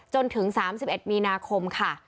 จนถึง๓๑มีนาคมค่ะ